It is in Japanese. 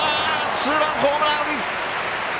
ツーランホームラン！